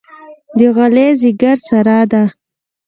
د علي ځېګر ساره ده.